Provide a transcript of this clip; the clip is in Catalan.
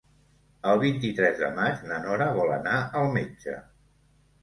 El vint-i-tres de maig na Nora vol anar al metge.